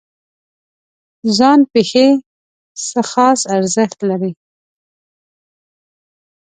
ځان پېښې څه خاص ارزښت لري؟